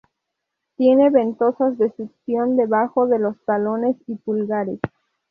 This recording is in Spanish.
Tiene ventosas de succión debajo de los talones y pulgares.